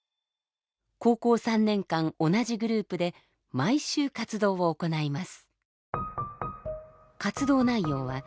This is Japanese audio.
高校３年間同じグループで毎週活動を行います。